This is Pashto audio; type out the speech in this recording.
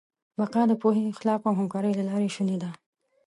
بقا د پوهې، اخلاقو او همکارۍ له لارې شونې ده.